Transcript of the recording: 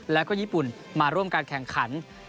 แล้วก็ญี่ปุ่นมาร่วมการแข่งขัน